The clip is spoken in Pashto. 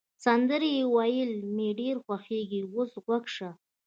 سندرې ویل مي ډېر خوښیږي، اوس غوږ شه.